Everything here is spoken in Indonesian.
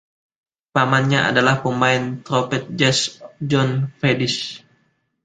Pamannya adalah pemain trompet jazz Jon Faddis.